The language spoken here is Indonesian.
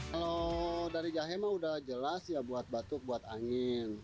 kalau dari jahe mah udah jelas ya buat batuk buat angin